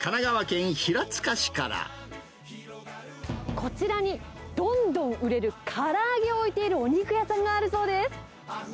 こちらに、どんどん売れるから揚げを置いているお肉屋さんがあるそうです。